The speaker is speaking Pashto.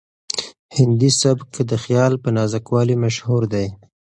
هندي سبک د خیال په نازکوالي مشهور دی.